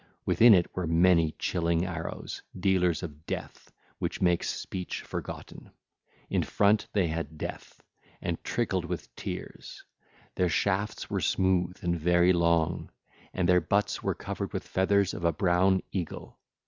Within it were many chilling arrows, dealers of death which makes speech forgotten: in front they had death, and trickled with tears; their shafts were smooth and very long; and their butts were covered with feathers of a brown eagle.